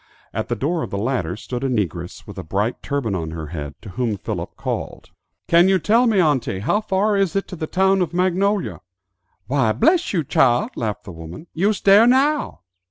At the door of the latter stood a negress with a bright turban on her head, to whom Philip called, "Can you tell me, auntie, how far it is to the town of Magnolia?" "Why, bress you chile," laughed the woman, "you's dere now."